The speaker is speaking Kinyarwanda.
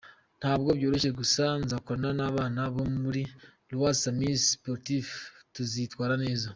Ntabwo byoroshye gusa nzakorana n’abana bo muri Leas Amis Sportif tuzitwara neza.